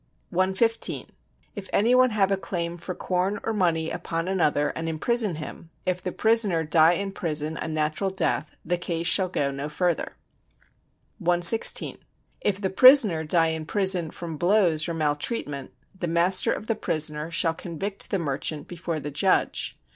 115. If any one have a claim for corn or money upon another and imprison him; if the prisoner die in prison a natural death, the case shall go no further. 116. If the prisoner die in prison from blows or maltreatment, the master of the prisoner shall convict the merchant before the judge.